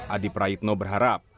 adi praitno berharap